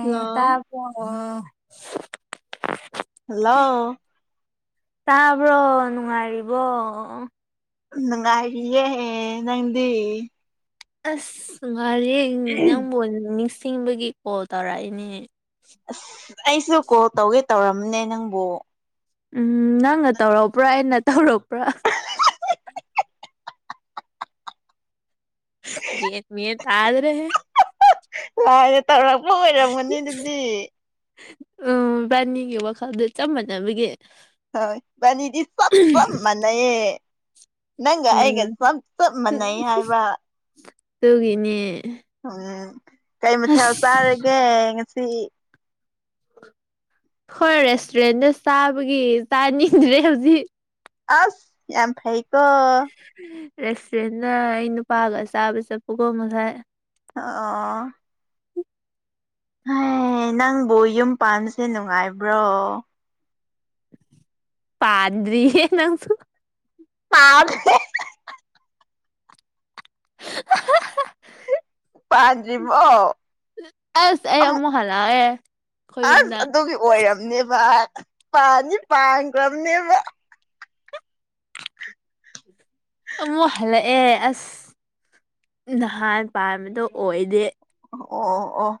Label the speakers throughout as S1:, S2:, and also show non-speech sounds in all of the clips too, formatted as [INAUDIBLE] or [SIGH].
S1: hello
S2: ꯇ
S1: hello
S2: ꯇꯥꯕ꯭ꯔꯣ ꯅꯨꯡꯉꯥꯏꯔꯤꯕꯣ
S1: ꯅꯨꯡꯉꯥꯏꯔꯤꯌꯦꯦꯦ ꯅꯪꯗꯤ
S2: ꯑꯁ ꯉꯥꯔ ꯅꯪꯕꯨ ꯅꯤꯡꯁꯤꯡꯕꯒꯤ ꯀꯣꯜ ꯇꯧꯔꯛꯏꯅꯦ
S1: ꯑꯁ ꯑꯩꯁꯨ ꯀꯣꯜ ꯇꯧꯒꯦ ꯇꯧꯔꯝꯅꯦ ꯅꯪꯕꯨ
S2: ꯎꯝ ꯅꯪꯅ ꯇꯧꯔꯄ꯭ꯔꯥ ꯑꯩꯅ ꯇꯧꯄ꯭ꯔꯥ ꯦꯠ ꯃ ꯇ ꯌꯥꯥꯗ꯭ꯔꯦ
S1: ꯂꯥꯏꯔꯦ ꯇꯧꯔꯛꯄ ꯑꯣꯏꯔꯝꯒꯅꯤ ꯑꯗꯨꯗꯤ
S2: ꯎꯝ ꯔꯕꯥꯥꯅꯤꯒꯤ ꯋꯥꯈꯜꯗ ꯆꯞ ꯃꯥꯟꯅꯕꯒꯤ
S1: ꯍꯕꯅꯤꯗꯤ ꯁꯞ ꯁꯝ ꯃꯅ ꯅꯪꯒ ꯑꯩꯒ
S2: ꯎꯝ
S1: ꯁꯞ ꯆꯞ ꯃꯅꯩ ꯍꯥꯏꯕ
S2: ꯇꯒꯅꯦ
S1: ꯎꯝ ꯀꯩ ꯃꯊꯦꯜ
S2: ꯑꯁ
S1: ꯆꯥꯔꯒꯦ ꯉꯁꯤ
S2: ꯍꯣꯏ ꯔꯦꯁꯇꯨꯔꯦꯟꯗ ꯆꯥꯕꯒꯤ ꯆꯥꯅꯤꯡꯗ꯭ꯔꯦ ꯍꯧꯖꯤꯛ
S1: ꯑꯁ ꯌꯥꯝ ꯐꯩꯀꯣ
S2: ꯔꯦꯁꯇꯨꯔꯦꯟꯅ ꯑꯩ ꯅꯨꯄꯥꯒ ꯆꯥꯕ ꯆꯠꯄꯒꯣ ꯉꯁꯥꯏ
S1: ꯑ ꯍ ꯅꯪꯕꯨ ꯌꯨꯝ ꯄꯥꯟꯕꯁꯦ ꯅꯨꯡꯉꯥꯏꯕ꯭ꯔꯣ
S2: ꯄꯥꯗ꯭ꯔꯤ ꯅꯪꯁꯨ
S1: ꯑ
S2: [INAUDIBLE]
S1: ꯄꯖꯔꯤꯕꯣ
S2: ꯑꯁ ꯑꯦ ꯑꯃꯃꯨꯛ ꯍꯂꯥ ꯑꯦ
S1: ꯑꯁ ꯑꯗꯨꯒꯤ ꯑꯣꯏꯔꯝꯅꯦꯕ ꯄꯥꯅꯤ ꯄꯥꯡꯈ꯭ꯔꯕꯅꯦꯕ ꯎ
S2: ꯑꯃꯨꯛ ꯍꯜꯂꯛꯑꯦ ꯑꯁ ꯅꯍꯥꯟ ꯄꯥꯟꯕꯗꯣ ꯑꯣꯏꯗꯦ
S1: ꯑꯣ ꯑꯣ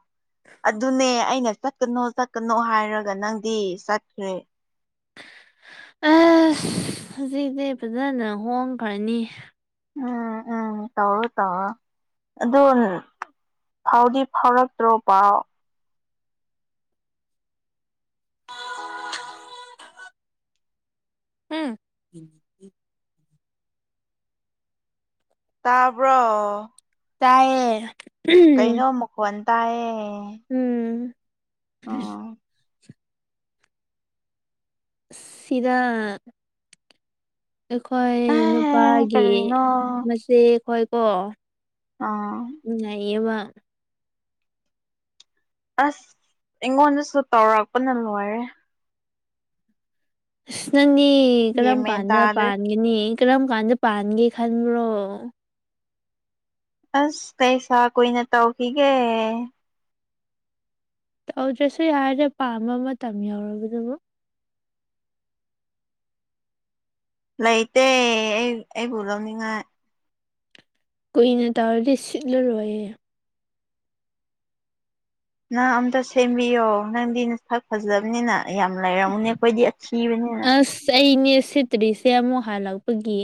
S1: ꯑꯗꯨꯅꯦ ꯑꯩꯅ ꯆꯠꯀꯅꯣ ꯆꯠꯀꯅꯣ ꯍꯥꯏꯔꯒ ꯅꯪꯗꯤ ꯆꯠꯈ꯭ꯔꯦ
S2: ꯑ ꯍꯧꯖꯤꯛꯁꯤ ꯐꯖꯅ ꯍꯣꯡꯈ꯭ꯔꯅꯤ
S1: ꯎꯝ ꯎꯝ ꯇꯧ ꯇ ꯑꯗꯨꯗ ꯐꯥꯎꯗꯤ ꯐꯥꯎꯔꯛꯇ꯭ꯔꯣ ꯄꯥꯎ
S2: ꯎꯝ
S1: ꯇꯥꯕꯣ
S2: ꯇꯌꯦꯦ
S1: ꯀꯩꯅꯣ ꯃꯨꯛꯋꯥꯟ ꯇꯌꯦ
S2: ꯎꯝ ꯎꯝ ꯁꯤꯗ ꯑꯩꯈꯣꯏ
S1: ꯑꯦ
S2: ꯅꯨꯄꯥꯒꯤ
S1: ꯀꯔꯤꯅꯣ
S2: ꯃꯆꯦꯈꯣꯏꯀꯣ
S1: ꯑꯥ
S2: ꯅꯌꯦꯕ
S1: ꯑꯁ ꯑꯩꯉꯣꯟꯗꯁꯨ ꯇꯧꯔꯛꯄꯅ ꯂꯣꯏꯔꯦ
S2: ꯑꯁ ꯅꯪꯅꯦ
S1: ꯒ꯭ꯌꯥꯟ
S2: ꯀꯔꯝ
S1: ꯃꯦꯟ
S2: ꯀꯥꯟꯗ
S1: ꯇꯥꯗ꯭ꯔꯦ
S2: ꯄꯥꯟꯒꯅꯤ ꯏꯔꯝ ꯀꯥꯟꯖꯦ ꯄꯥꯟꯒꯦ ꯈꯟꯕ꯭ꯔꯣ
S1: ꯑꯁ ꯀꯩꯁꯥ ꯀꯨꯏꯅ ꯇꯧꯈꯤꯒꯦ
S2: ꯇꯧꯗ꯭ꯔꯁꯨ ꯌꯥꯔꯗꯤꯦ ꯄꯥꯝꯕ ꯃꯇꯝ ꯌꯧꯔꯕꯗꯨꯕꯨ
S1: ꯂꯩꯇꯦ ꯑꯩ ꯑꯩꯕꯨ ꯂꯧꯅꯤꯡꯉꯥꯏ
S2: ꯀꯨꯏꯅ ꯇꯧꯔꯗꯤ ꯁꯤꯠꯂꯔꯣꯏꯌꯦ
S1: ꯅꯪ ꯑꯝꯇ ꯁꯦꯝꯕꯤꯌꯣ ꯅꯪꯗꯤ ꯅ ꯁꯛ ꯐꯖꯕꯅꯤꯅ ꯌꯥꯝ ꯂꯩꯔꯝꯃꯨꯅꯦ ꯑꯩꯈꯣꯏꯗꯤ ꯑꯁꯤꯊꯕꯅꯤꯅ
S2: ꯄꯅꯦ ꯁꯤꯇ꯭ꯔꯤꯁꯦ ꯑꯃꯨ ꯍꯜꯂꯛꯄꯒꯤ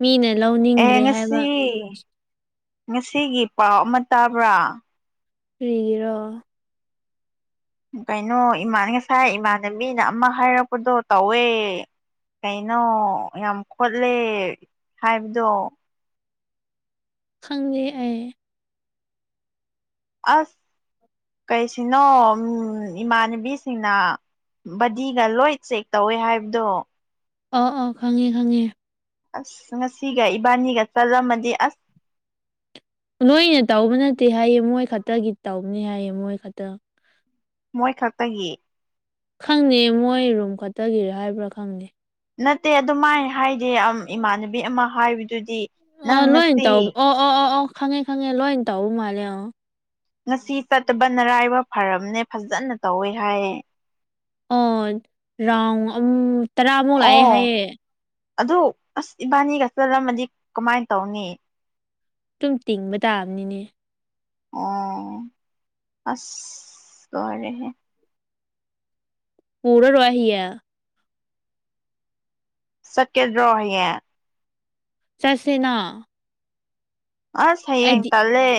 S2: ꯃꯤꯅ
S1: ꯑꯦ
S2: ꯂꯧꯅꯤꯡꯗ꯭ꯔꯦ
S1: ꯉꯁꯤ
S2: ꯍꯥꯏꯕ
S1: ꯉꯁꯤꯒꯤ ꯄꯥꯎ ꯑꯃ ꯇꯥꯕ꯭ꯔꯥ
S2: ꯐꯔꯤꯒꯔꯣ
S1: ꯀꯩꯅꯣ ꯏꯃꯥꯟ ꯉꯁꯥꯏ ꯏꯃꯥꯟꯅꯕꯤꯅ ꯑꯃ ꯍꯥꯏꯔꯛꯄꯗꯣ ꯇꯧꯋꯦ ꯀꯩꯅꯣ ꯌꯥꯝ ꯈꯣꯠꯂꯦ ꯍꯥꯏꯕꯗꯣ
S2: ꯈꯪꯉꯦ ꯑꯩ
S1: ꯑꯁ ꯀꯔꯤꯁꯤꯅꯣ ꯏꯃꯥꯟꯅꯕꯤꯁꯤꯡꯅ ꯕꯗꯤꯒ ꯂꯣꯏ ꯆꯦꯛ ꯇꯧꯋꯦ ꯍꯥꯏꯕꯗꯣ
S2: ꯑꯥꯎ ꯑꯥꯎ ꯈꯪꯉꯦ ꯈꯪꯉꯦ
S1: ꯑꯁ ꯉꯁꯤꯒ ꯏꯕꯥꯅꯤꯒ ꯆꯠꯂꯝꯃꯗꯤ ꯑꯁ
S2: ꯅꯣꯏꯅ ꯇꯧꯕ ꯅꯠꯇꯦ ꯍꯥꯏꯌꯦ ꯃꯣꯏ ꯈꯛꯇꯒꯤ ꯇꯧꯕꯅꯤ ꯍꯥꯏꯌꯦ ꯃꯣꯏ ꯈꯛꯇ
S1: ꯃꯣꯏ ꯈꯛꯇꯒꯤ
S2: ꯈꯪꯅꯦ ꯃꯣꯏ ꯔꯨꯝ ꯈꯛꯇꯒꯤꯔ ꯍꯥꯏꯕ꯭ꯔꯥ ꯈꯪꯗꯦ
S1: ꯅꯠꯇꯦ ꯑꯗꯨꯃꯥꯏꯅ ꯍꯥꯏꯗꯤ ꯏꯃꯥꯟꯅꯕꯤ ꯑꯃ ꯍꯥꯏꯕꯗꯨꯗꯤ
S2: ꯑꯣ
S1: ꯅꯪ
S2: ꯂꯣꯏꯅ
S1: ꯉꯁꯤ
S2: ꯇꯧꯕ ꯑꯣ ꯑꯣ ꯑꯣ ꯑꯣ ꯈꯪꯉꯦ ꯈꯪꯉꯦ ꯂꯣꯏꯅ ꯇꯧꯕ ꯃꯥꯜꯂꯦ ꯑ
S1: ꯉꯁꯤ ꯆꯠꯇꯕ ꯅꯔꯥꯏꯕ ꯐꯔꯔꯕꯅꯦ ꯐꯖꯅ ꯇꯧꯋꯦ ꯍꯥꯏꯌꯦ
S2: ꯑꯣ ꯔꯥꯎ ꯑ ꯇꯔꯥꯃꯨꯛ ꯂꯥꯛꯑꯦ
S1: ꯑꯣ
S2: ꯍꯥꯏꯌꯦ
S1: ꯑꯗꯨ ꯑꯁ ꯏꯕꯥꯅꯤꯒ ꯆꯠꯂꯝꯝꯃꯗꯤ ꯀꯃꯥꯏꯅ ꯇꯧꯅꯤ
S2: ꯑꯗꯨꯨꯝ ꯇꯤꯡꯕ ꯇꯥꯕꯅꯤꯅꯦ
S1: ꯑꯣ ꯑꯁꯔꯦꯍꯦ
S2: ꯄꯨꯔꯥꯔꯣꯏ ꯍꯤꯌꯥ
S1: ꯆꯠꯀꯗꯔꯣ ꯍꯌꯦꯡ
S2: ꯆꯠꯁꯤꯅꯥ
S1: ꯑꯁ ꯍꯌꯦꯡ ꯇꯜꯂꯦ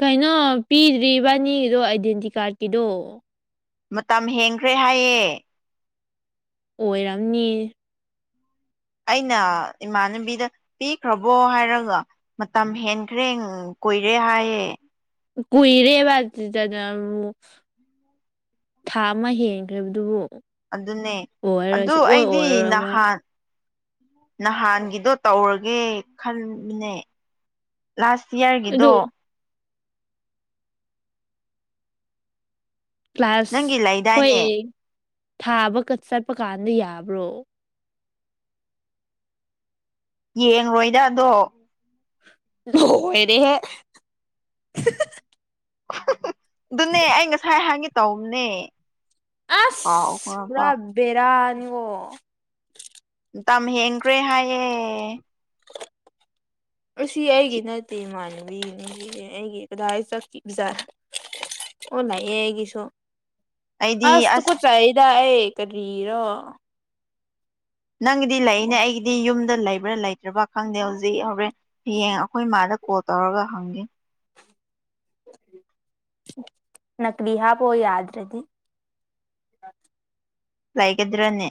S2: ꯀꯩꯅꯣ ꯄꯤꯗ꯭ꯔꯤꯕꯥꯅꯤꯒꯤꯗꯣ ꯑꯥꯏꯗꯦꯟꯇꯤ ꯀꯥꯔꯠꯀꯤꯗꯣ
S1: ꯃꯇꯝ ꯍꯦꯟꯈ꯭ꯔꯦ ꯍꯥꯏꯌꯦ
S2: ꯑꯣꯏꯔꯝꯅꯤ
S1: ꯑꯩꯅ ꯏꯃꯥꯟꯅꯕꯤꯗ ꯄꯤꯈ꯭ꯔꯕꯣ ꯍꯥꯏꯔꯒ ꯃꯇꯝ ꯍꯦꯟꯈ꯭ꯔꯦ ꯀꯨꯏꯔꯦ ꯍꯥꯏꯌꯦ
S2: ꯀꯨꯏꯔꯦꯕꯗꯗ ꯊꯥ ꯑꯃ ꯍꯦꯟꯈ꯭ꯔꯦꯕ ꯑꯗꯨꯕꯨ
S1: ꯑꯗꯨꯅꯦ ꯑꯗꯨ ꯑꯩꯗꯤ
S2: ꯑꯣꯏꯔꯔꯣꯏ ꯑꯩꯈꯣꯏ
S1: ꯅꯍꯥꯟ ꯅꯍꯥꯟꯒꯤꯗꯣ ꯇꯧꯔꯒꯦ ꯈꯟꯃꯤꯅꯦ ꯂꯥꯁ ꯏꯌꯥꯔꯒꯤꯗꯣ
S2: ꯑꯗꯨ ꯀ꯭ꯂꯥꯁ
S1: ꯅꯪꯒꯤ
S2: ꯈꯣꯏ
S1: ꯂꯩꯗꯥꯏꯅꯦ
S2: ꯊꯥꯕ ꯆꯠꯄ ꯀꯥꯟꯗ ꯌꯥꯕ꯭ꯔꯣ
S1: ꯌꯦꯡꯔꯣꯏꯗ ꯑꯗꯣ
S2: ꯅꯣꯛ ꯂꯩꯔꯦ ꯍꯦ
S1: ꯑꯗꯨꯅꯦ ꯑꯩ ꯉꯁꯥꯏ ꯍꯪꯒꯦ ꯇꯧꯝꯕꯅꯦ
S2: ꯑꯁ ꯄꯨꯔꯥꯅꯤꯉꯣ
S1: ꯇꯝ ꯍꯦꯡꯈ꯭ꯔꯦ ꯍꯥꯏꯌꯦ
S2: ꯑꯁꯤ ꯑꯩꯒꯤ ꯅꯠꯇꯦ ꯏꯃꯥꯟꯅꯕꯤ ꯑꯩꯒꯤ ꯀꯗꯥꯏ ꯆꯠꯈꯤ ꯕꯖꯥꯠ ꯑꯣ ꯂꯩꯌꯦ ꯑꯩꯒꯤꯁꯨ ꯑꯁ ꯇꯨꯀꯆꯩꯗ ꯑꯩ ꯀꯔꯤꯔꯣ
S1: ꯅꯪꯒꯤꯗꯤ ꯂꯩꯏꯅꯦ ꯑꯩꯒꯤꯗꯤ ꯌꯨꯝ ꯗ ꯂꯩꯕ꯭ꯔꯥ ꯂꯩꯇ꯭ꯔꯥ ꯈꯪꯗꯦ ꯍꯧꯖꯤꯛ ꯍꯣꯔꯦꯟ ꯍꯌꯦꯡ ꯑꯩꯈꯣꯏ ꯃꯥꯗ ꯀꯣꯜ ꯇꯧꯔꯒ ꯍꯪꯒꯦ [INAUDIBLE]
S2: ꯅꯀꯀ꯭ꯂꯤ ꯍꯥꯞꯄ ꯌꯥꯗ꯭ꯔꯗꯤ
S1: ꯂꯩꯒꯗ꯭ꯔꯅꯦ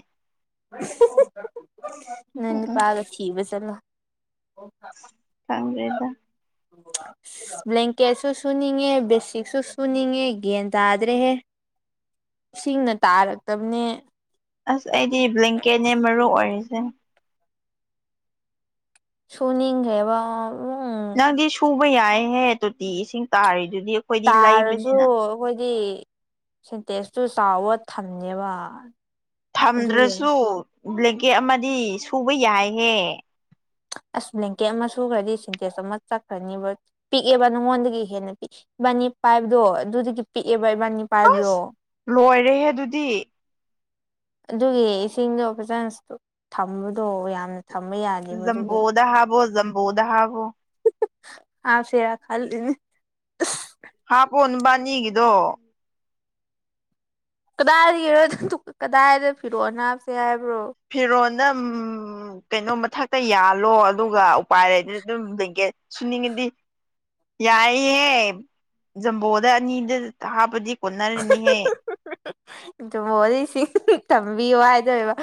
S2: ꯅꯣꯏ
S1: ꯎꯝ ꯎꯝ
S2: ꯅꯨꯄꯥꯒ ꯊꯤꯕ ꯆꯠꯂꯣ
S1: ꯈꯪꯗꯔꯦꯗ
S2: ꯕ꯭ꯂꯦꯡꯀꯦꯠꯁꯨ ꯁꯨꯅꯤꯡꯉꯦ ꯕꯦꯁꯤꯛꯁꯨ ꯁꯨꯅꯤꯡꯉꯦ ꯒ꯭ꯌꯥꯟ ꯇꯥꯗ꯭ꯔꯦꯍꯦ ꯁꯤꯡꯅ ꯇꯥꯔꯛꯇꯕꯅꯦ
S1: ꯑꯁ ꯑꯩꯗꯤ ꯕ꯭ꯂꯦꯡꯀꯦꯠꯅꯦ ꯃꯔꯨ ꯑꯣꯏꯔꯤꯁꯦ
S2: ꯁꯨ ꯅꯤꯡꯈ꯭ꯔꯦꯕ
S1: ꯅꯪꯗꯤ ꯁꯨꯕ ꯌꯥꯏꯍꯦ ꯇꯣꯇꯤ ꯏꯁꯤꯡ ꯇꯥꯔꯤ
S2: ꯇꯥꯔꯁꯨ ꯑꯩꯈꯣꯏꯗꯤ ꯁꯦꯟꯇꯦꯁꯇꯨ ꯇꯥꯎꯋ ꯊꯝꯃꯦꯕ
S1: ꯊꯝꯗ꯭ꯔꯁꯨ ꯕ꯭ꯂꯦꯡꯀꯦꯠ ꯑꯃꯗꯤ ꯁꯨꯕ ꯌꯥꯏꯍꯦ
S2: ꯑꯁ ꯕ꯭ꯂꯦꯡꯀꯦꯠ ꯑꯃ ꯁꯨꯈ꯭ꯔꯗꯤ ꯁꯤꯟꯇꯦꯖ ꯑꯃ ꯆꯠꯈ꯭ꯔꯅꯤꯕ ꯄꯤꯛꯑꯦꯕ ꯅꯉꯣꯟꯗꯒꯤ ꯍꯦꯟꯅ ꯄꯤꯛ ꯏꯕꯥꯅꯤ ꯄꯥꯏꯞꯗꯣ ꯑꯗꯨꯗꯒꯤ ꯄꯤꯛꯑꯦꯕ ꯏꯕꯥꯅꯤ ꯄꯥꯏꯕꯗꯣ
S1: ꯔꯦꯍꯦ ꯑꯗꯨꯗꯤ
S2: ꯑꯗꯨꯒꯤ ꯏꯁꯤꯡꯗꯣ ꯐꯖꯥꯅ ꯊꯝꯕꯗꯣ ꯌꯥꯝꯅ ꯊꯝꯕ ꯌꯥꯗꯦꯕ ꯑꯗꯨꯒꯤ
S1: ꯖꯝꯕꯣꯗ ꯍꯥꯄꯣ ꯖꯝꯕꯣꯗ ꯍꯥꯞꯄꯣ
S2: ꯍꯥꯞꯁꯦꯔꯥ ꯈꯟꯂꯤꯅꯦ
S1: ꯍꯥꯞꯄꯣ ꯅꯕꯥꯏꯅꯤꯒꯤꯗꯣ
S2: ꯀꯗꯥꯏꯔ ꯀꯗꯥꯗ ꯐꯤꯔꯣꯟ ꯍꯥꯞꯁꯦ ꯍꯥꯏ
S1: ꯐꯤꯔꯣꯟ ꯅꯝ ꯀꯩꯅꯣ ꯃꯊꯛꯇ ꯌꯥꯜꯂꯣ ꯑꯗꯨꯒ ꯎꯄꯥꯏ ꯂꯩꯗꯨꯅ ꯑꯗꯨꯝ ꯕꯦꯡꯀꯦꯠ ꯁꯨꯅꯤꯡꯉ ꯌꯥꯏꯍꯦ ꯖꯝꯕꯣꯗ ꯑꯅꯤꯗ ꯍꯥꯞꯄꯗꯤ ꯀꯣꯟꯅꯔꯅꯤꯍꯦ
S2: [UNINTELLIGIBLE] ꯇꯝꯕꯤꯌꯣ ꯍꯥꯏꯗꯣꯏꯕ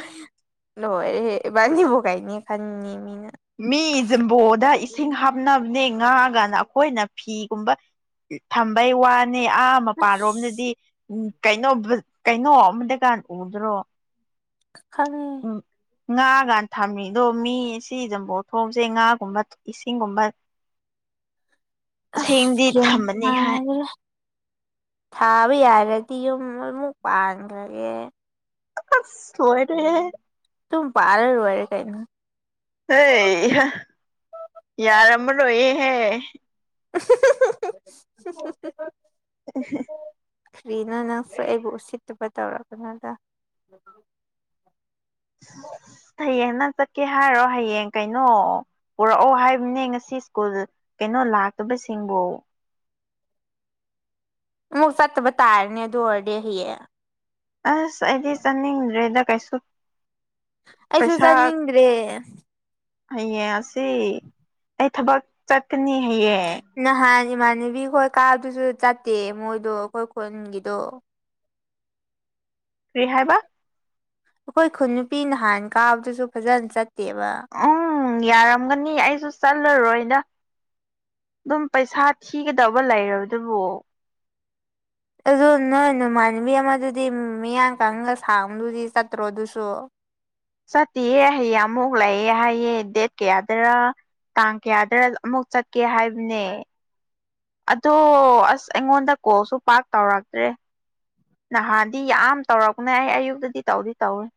S2: ꯂꯣꯏꯔꯦꯍꯦ ꯏꯕꯥꯟꯅꯤꯕꯨ ꯀꯩꯅꯦ ꯈꯟꯅꯤ ꯃꯤꯅ
S1: ꯃꯤ ꯕꯤꯝꯕꯣꯗ ꯏꯁꯤꯡ ꯍꯥꯞꯅꯕꯅꯦ ꯉꯥꯒꯅ ꯑꯩꯈꯣꯏꯅ ꯐꯤꯒꯨꯝꯕ ꯊꯝꯕꯩ ꯋꯥꯅꯤ ꯑꯥ
S2: ꯑꯁ
S1: ꯃꯄꯥꯟꯔꯣꯝꯗꯗꯤ ꯎꯝ ꯀꯩꯅꯣ ꯀꯩꯅꯣ ꯑꯃꯗꯀꯥꯟ ꯎꯗ꯭ꯔꯣ
S2: ꯈꯪ
S1: ꯉꯥꯒꯥ ꯊꯝꯃꯤꯗꯣ ꯃꯤ ꯁꯤ ꯖꯞꯕꯣꯜꯊꯣꯡꯁꯦ ꯉꯥꯒꯨꯝꯕ ꯏꯁꯤꯡꯒꯨꯝꯕ
S2: ꯑꯁ
S1: ꯁꯦꯡꯗꯤ
S2: ꯒꯌꯥꯟ
S1: ꯊꯝꯕꯅꯤ ꯍꯥꯏ
S2: ꯇꯗꯥꯔꯥ ꯊꯥꯕ ꯌꯥꯔꯛ ꯇꯤ ꯌꯨꯝ ꯑꯃꯨꯛ ꯄꯥꯟꯈ꯭ꯔꯒꯦ
S1: ꯑꯁ ꯂꯣꯏꯔꯦꯍꯦ
S2: ꯨꯌꯨꯝ ꯄꯥꯜꯂ ꯂꯣꯏꯔꯦ ꯀꯩꯏꯅꯣ
S1: ꯍꯩ ꯍꯥ ꯌꯥꯔꯝꯃꯥꯔꯣꯏꯍꯦ
S2: [UNINTELLIGIBLE]
S1: [UNINTELLIGIBLE]
S2: ꯀ꯭ꯔꯤꯅ ꯅꯪꯁꯨ ꯑꯩꯕꯨ ꯎꯁꯤꯠꯇꯨꯕ ꯇꯧꯔꯛꯒꯅꯣꯗ
S1: ꯍꯌꯦꯡ ꯅꯪ ꯆꯠꯀꯦ ꯍꯥꯏꯔꯣ ꯍꯌꯦꯡ ꯀꯩꯅꯣ ꯄꯨꯔꯛꯑꯣ ꯍꯥꯏꯕꯅꯦ ꯉꯁꯤ ꯁ꯭ꯀꯨꯜ ꯀꯩꯅꯣ ꯂꯥꯛꯇꯕꯁꯤꯡꯕꯨ
S2: ꯃꯨꯛ ꯆꯠꯕ ꯇꯔꯅꯦ ꯗꯨ ꯑꯣꯏꯔꯗꯤ ꯍꯌꯦꯡ
S1: ꯑꯁ ꯑꯩꯗꯤ ꯆꯥꯅꯤꯡꯗ꯭ꯔꯦꯗ ꯀꯩꯁꯨ
S2: ꯑꯩꯁꯨ
S1: ꯄꯩꯁꯥ
S2: ꯆꯥꯅꯤꯡꯗ꯭ꯔꯦ
S1: ꯍꯌꯦꯡ ꯑꯁꯤ ꯑꯩ ꯊꯕꯛ ꯆꯠꯀꯅꯤ ꯍꯌꯦꯡ
S2: ꯅꯍꯥꯟ ꯏꯃꯥꯟꯅꯕꯤ ꯈꯣꯏ ꯀꯥꯗꯨꯁꯨ ꯆꯠꯇꯦ ꯃꯣꯏꯗꯣ ꯑꯩꯈꯣꯏ ꯈꯨꯟꯒꯤꯗꯣ
S1: ꯀꯔꯤ ꯍꯥꯏꯕ
S2: ꯑꯩꯈꯣꯏ ꯈꯨꯟ ꯅꯨꯄꯤ ꯅꯍꯥꯟ ꯀꯥꯕꯗꯨꯁꯨ ꯐꯖꯅ ꯆꯠꯇꯦꯕ
S1: ꯎꯝ ꯌꯥꯔꯝꯒꯅꯤ ꯑꯩꯁꯨ ꯆꯠꯂꯔꯣꯏꯗ ꯑꯗꯨꯝ ꯄꯩꯁꯥ ꯊꯤꯒꯗꯧꯕ ꯂꯩꯔꯕꯗꯨꯕꯨ
S2: ꯑꯗꯨ ꯅꯣꯏ ꯅꯃꯥꯟꯅꯕꯤ ꯑꯃꯗꯨꯗꯤ ꯃꯤꯌꯥꯡ ꯀꯪꯒ ꯁꯥꯡꯕꯗꯨꯗꯤ ꯆꯠꯇ꯭ꯔꯣ ꯑꯗꯨꯁꯨ
S1: ꯆꯠꯇꯤꯌꯦ ꯍꯌꯦꯡ ꯑꯃꯨꯛ ꯂꯥꯛꯑꯦ ꯍꯥꯏꯌꯦ ꯗꯦꯠ ꯀꯌꯥꯗꯔꯥ ꯇꯥꯡ ꯀꯌꯥꯗ ꯑꯃꯨꯛ ꯆꯠꯀꯦ ꯍꯥꯏꯕꯅꯦ ꯑꯗꯣ ꯑꯁ ꯑꯩꯉꯣꯟꯗ ꯀꯣꯜꯁꯨ ꯄꯥꯛ ꯇꯧꯔꯛꯇ꯭ꯔꯦ ꯅꯍꯥꯟꯗꯤ ꯌꯥꯝ ꯇꯧꯔꯛꯄꯅꯦ ꯑꯩ ꯑꯌꯨꯛꯇꯗꯤ ꯇꯧꯗꯤ ꯇꯧꯋꯦ [INAUDIBLE]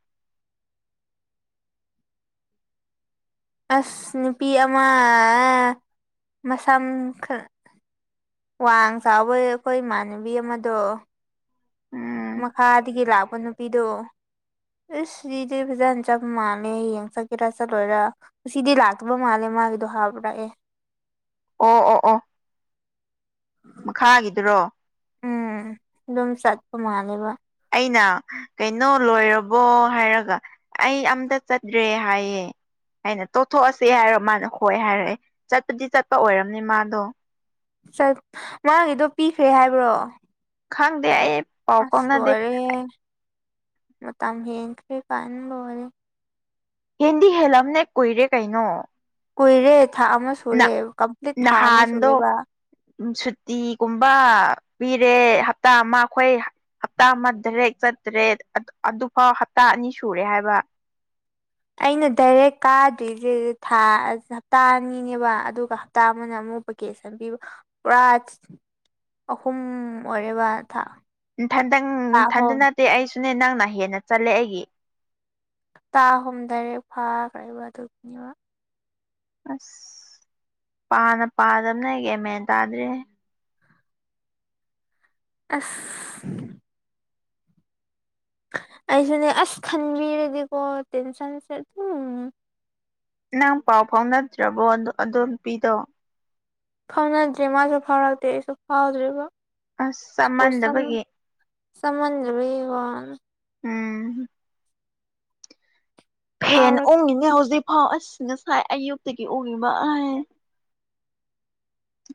S2: ꯑꯁ ꯅꯨꯄꯤ ꯑꯃ ꯃꯁꯥꯝ ꯋꯥꯡ ꯆꯥꯎꯕ ꯑꯩꯈꯣꯏ ꯏꯃꯥꯟꯅꯕꯤ ꯑꯃꯗꯣ
S1: ꯎꯝ
S2: ꯃꯈꯥꯗꯒꯤ ꯂꯥꯛꯄ ꯅꯨꯄꯤꯗꯣ ꯑꯁ ꯁꯤꯗꯤ ꯐꯖꯅ ꯆꯞ ꯃꯥꯜꯂꯦ ꯌꯦꯡ ꯆꯠꯀꯦꯔꯥ ꯆꯠꯂꯣꯏꯔꯥ ꯁꯤꯗꯤ ꯂꯥꯛꯇꯕ ꯃꯥꯜꯂꯦ ꯃꯥꯒꯤꯗꯣ ꯍꯥꯞꯄꯔ ꯑꯦ
S1: ꯑꯣ ꯑꯣ ꯑꯣ ꯃꯈꯥꯒꯤꯗꯨꯔꯣ
S2: ꯎꯝ ꯑꯗꯨꯝ ꯆꯠꯄ ꯃꯥꯜꯂꯦꯕ
S1: ꯑꯩꯅ ꯀꯩꯅꯣ ꯂꯣꯏꯔꯕꯣ ꯍꯥꯏꯔꯒ ꯑꯩ ꯑꯝꯇ ꯆꯠꯇ꯭ꯔꯦ ꯍꯥꯏꯌꯦ ꯑꯩꯅ ꯇꯣꯊꯣꯛꯑꯁꯦ ꯍꯥꯏꯔꯣ ꯃꯥꯅ ꯍꯣꯏ ꯍꯥꯏꯔꯛꯑꯦ ꯆꯠꯄꯗꯤ ꯆꯠꯄ ꯑꯣꯏꯔꯝꯅꯤ ꯃꯥꯗꯣ
S2: ꯆꯠ ꯃꯥꯒꯤꯗꯣ ꯄꯤꯈ꯭ꯔꯦ ꯍꯥꯏꯕ꯭ꯔꯣ
S1: ꯈꯪꯗꯦ ꯑꯩ ꯄꯥꯎ
S2: ꯑꯁ
S1: ꯐꯥꯎꯅꯗꯦ
S2: ꯂꯣꯏꯔꯦ ꯃꯇꯝ ꯍꯦꯟꯈꯔꯦ ꯀꯥꯏꯅ ꯂꯣꯏꯔꯦ
S1: ꯍꯦꯟꯗꯤ ꯍꯦꯜꯂꯝꯅꯦ ꯀꯨꯏꯔꯦ ꯀꯩꯅꯣ
S2: ꯀꯨꯏꯔꯦ ꯊꯥ ꯑꯃ
S1: ꯅ
S2: ꯁꯨꯔꯦ ꯀꯝꯄ꯭ꯂꯤꯠ ꯊꯥ ꯑꯃ ꯁꯨꯔꯦꯕ
S1: ꯎꯝ ꯁꯨꯇꯤꯒꯨꯝꯕ ꯄꯤꯔꯦ ꯍꯞꯇꯥ ꯑꯃ ꯑꯩꯈꯣꯏ ꯍꯞꯇꯥ ꯑꯃ ꯗꯥꯏꯔꯦꯛ ꯆꯠꯇ꯭ꯔꯦ ꯑꯗꯨꯐꯥꯎ ꯍꯞꯇꯥ ꯑꯅꯤ ꯁꯨꯔꯦ ꯍꯥꯏꯕ
S2: ꯑꯩꯅ ꯗꯥꯏꯔꯦꯛ ꯀꯥꯗ꯭ꯔꯤꯁꯦ ꯊꯥ ꯍꯞꯇꯥ ꯑꯅꯤꯅꯦꯕ ꯑꯗꯨꯒ ꯍꯞꯇꯥ ꯑꯃꯅ ꯑꯃꯨꯛ ꯦꯁꯟ ꯄꯕ ꯄꯨꯔꯥ ꯑꯍꯨꯝ ꯑꯣꯏꯔꯦꯕ ꯊꯥ ꯊꯥ
S1: ꯊꯟꯗꯪꯊꯟꯗ
S2: ꯑꯍꯨꯝ
S1: ꯅꯠꯇꯦ ꯑꯩꯁꯨꯅꯦ ꯅꯪꯅ ꯍꯦꯟꯅ ꯆꯠꯂꯦ ꯑꯩꯒꯤ
S2: ꯍꯞꯇꯥ ꯑꯍꯨꯝꯗꯔꯦ ꯐꯥꯈ꯭ꯔꯕ ꯑꯗꯨꯒꯤꯅꯦꯕ
S1: ꯑꯁ ꯄꯥꯅ ꯄꯥꯗꯕꯅꯦ ꯀꯦ ꯃꯦꯟ ꯇꯥꯗ꯭ꯔꯔꯤ
S2: ꯑꯁ ꯑꯩꯁꯨꯅꯦ ꯑꯁ ꯈꯟꯕꯤꯔꯗꯤꯀꯣ ꯇꯦꯟꯁꯟꯁꯦ ꯑꯗꯨꯝ
S1: ꯅꯪ ꯄꯥꯎ ꯐꯥꯎꯅꯗ꯭ꯔꯕꯣ ꯑꯗꯨꯣ ꯄꯤꯗꯣ
S2: ꯐꯥꯎꯅꯗ꯭ꯔꯦ ꯃꯥꯁꯨ ꯐꯥꯎꯔꯛꯇꯦ ꯑꯩꯁꯨ ꯐꯥꯎꯗ꯭ꯔꯤꯕ
S1: ꯑꯁ ꯆꯞ ꯃꯥꯟꯗꯕꯒꯤ
S2: ꯁꯃꯖꯕꯤ ꯋꯥ
S1: ꯎꯝ ꯐꯦꯟ
S2: ꯀꯥꯎꯔꯛ
S1: ꯑꯣꯡꯉꯤꯅꯦ ꯍꯧꯖꯤꯛꯐꯥꯎ ꯑꯁꯤꯅ ꯁꯥꯏ ꯑꯌꯨꯛꯇꯒꯤ ꯑꯣꯡꯉꯤꯕ ꯑ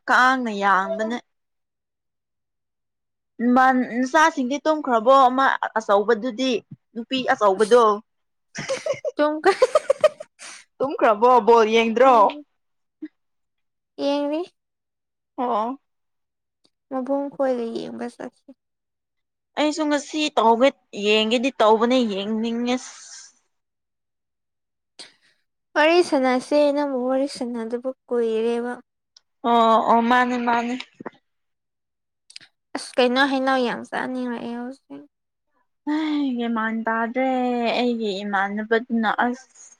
S1: ꯀꯥꯡꯅ ꯌꯥꯡꯕꯅ ꯃꯆꯥꯁꯤꯡꯗꯤ ꯇꯨꯝꯈ꯭ꯔꯕꯣ ꯑꯃ ꯑꯆꯧꯕꯗꯨꯗꯤ ꯅꯨꯄꯤ ꯑꯆꯧꯕꯗꯣ
S2: ꯇꯨꯝꯈ꯭ꯔꯦ
S1: ꯇꯨꯝꯈ꯭ꯔꯕꯣꯕꯣ ꯌꯦꯡꯗ꯭ꯔꯣ
S2: ꯎꯝ ꯌꯦꯡꯔꯤ
S1: ꯑꯣ
S2: ꯃꯕꯨꯣꯡ ꯈꯣꯨꯁ
S1: ꯑꯩꯁꯨ ꯉꯁꯤ ꯇ ꯌꯦꯡꯒꯦꯗꯤ ꯇꯧꯕꯅ ꯌꯦꯡꯅꯤꯡꯉꯁ
S2: ꯋꯥꯔꯤ ꯁꯅꯁꯦ ꯅ ꯑꯃꯛ ꯋꯥꯔꯤ ꯁꯥꯅꯗꯨꯕꯨ ꯀꯨꯏꯔꯦꯕ
S1: ꯑꯣ ꯑꯣ ꯃꯥꯅꯦ ꯃꯥꯅꯦ
S2: ꯑꯁ ꯀꯩꯅꯣ ꯍꯥꯏꯩꯅꯧ ꯌꯥꯝ ꯆꯠꯅꯤꯡꯉꯛꯑ ꯍꯧꯖꯤꯦ
S1: ꯃꯥꯟ ꯇꯥꯗ꯭ꯔꯦ ꯑꯩꯒꯤ ꯏꯃꯥꯟꯅꯕꯗꯨꯅ ꯑꯁ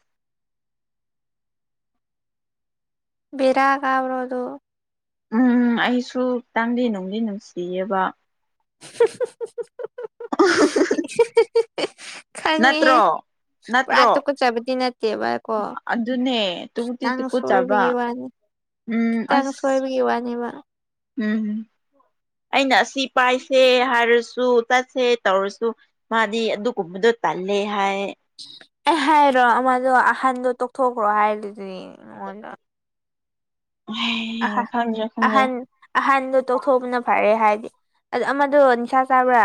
S2: ꯕꯤꯔꯒꯎ꯭ꯔꯣꯗꯨ
S1: ꯎꯝ ꯑꯩꯁꯨꯈꯤ ꯇꯪꯗꯤ ꯅꯨꯡꯗꯤ ꯅꯨꯡꯁꯤꯌꯦꯕ
S2: [UNINTELLIGIBLE] ꯈꯪꯉꯦꯍꯦ
S1: ꯅꯠꯇ꯭ꯔꯣ
S2: ꯄꯨꯔꯥ
S1: ꯅꯠꯇ꯭ꯔꯣ
S2: ꯇꯨꯀꯠꯆꯕꯗꯤ ꯅꯠꯇꯦ ꯚꯀꯣ
S1: ꯑꯗꯨꯅꯦ ꯇꯨꯀꯨꯗꯤ
S2: ꯈꯤꯇꯪ
S1: ꯇꯨꯀꯨꯠꯆꯕ
S2: ꯁꯣꯏꯕꯒꯤ ꯋꯥꯅꯤ
S1: ꯎꯝ
S2: ꯈꯤꯇꯪ ꯁꯣꯏꯕꯒꯤ ꯋꯥꯅꯦꯕ
S1: ꯎꯝꯝ ꯑꯩꯅ ꯑꯁꯤ ꯄꯥꯏꯁꯦ ꯍꯥꯏꯔꯁꯨ ꯆꯠꯁꯦ ꯇꯧꯔꯁꯨ ꯃꯥꯗꯤ ꯑꯗꯨꯒꯨꯝꯕꯗ ꯄꯂꯦ ꯍꯥꯏ
S2: ꯑꯩ ꯍꯥꯏꯔꯣ ꯑꯃꯗꯣ ꯑꯍꯟꯗꯣ ꯇꯣꯛꯊꯣꯛꯈ꯭ꯔꯣ ꯍꯥꯏꯔꯗꯨꯗꯤ ꯑꯩꯉꯣꯟꯗ ꯑꯍ
S1: ꯑꯩ ꯈꯪꯗ꯭ꯔꯦ ꯈꯪꯗ꯭ꯔꯦ
S2: ꯑꯍꯟ ꯑꯍꯟꯗꯣ ꯇꯣꯛꯊꯣꯛꯄꯅ ꯐꯔꯦ ꯍꯥꯏꯦ ꯑꯗꯨ ꯑꯃꯗꯣ ꯅꯤꯁꯥ ꯆꯥꯕ꯭ꯔꯥ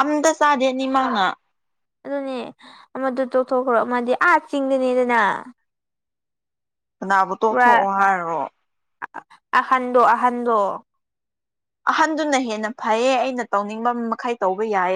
S1: ꯑꯝꯇ ꯆꯥꯗꯦꯅꯤꯃꯉꯥ
S2: ꯑꯗꯨꯅꯦ ꯑꯃꯗꯨ ꯇꯣꯛꯊꯣꯛꯈ꯭ꯔꯣ ꯃꯥꯗꯤ ꯑꯥ ꯆꯤꯡꯗꯅꯦꯗꯅ
S1: ꯀꯅꯥꯕꯨ ꯇꯣꯛꯊꯣꯛꯑꯣ ꯍꯥꯏꯔꯣ
S2: ꯑꯍꯟꯗꯣ ꯑꯍꯟꯗꯣ
S1: ꯑꯍꯟꯗꯨꯅ ꯍꯦꯟꯅ ꯐꯩꯌꯦ ꯑꯩꯅ ꯇꯧꯅꯤꯡꯕ ꯃꯈꯩ ꯇꯧꯕ ꯌꯥꯏ